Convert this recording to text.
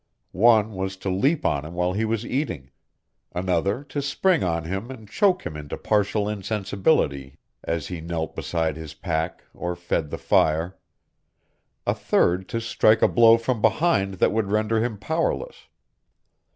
One was to leap on him while he was eating; another to spring on him and choke him into partial insensibility as he knelt beside his pack or fed the fire; a third to strike a blow from behind that would render him powerless.